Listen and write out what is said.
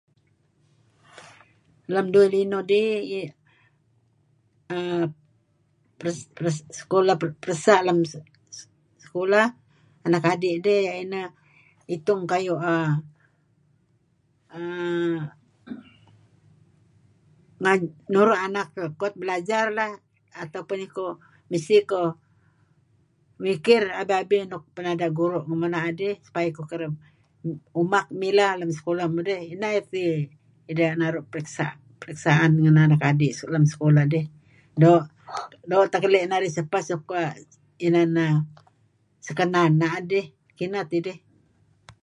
Lem duih linuh dih [stammers] peresa' lem sekulah dih i' itung kayu' err nuru' anak kuat belajar lah atau pun iko, mesti iko mikir abi-abi nuk binada' guru' ngemuh na'ah dih supaya iko kereb umak mileh kem sekulah mudih, Ineh erti ideh naru' periksa' periksaan ngen anak adi' nuk lem sekulah dih, doo' teh keli' narih sepeh suk inan sekenan na'ah dih, Kineh tidih.